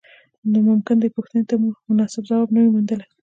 نو ممکن دې پوښتنې ته مو مناسب ځواب نه وي موندلی.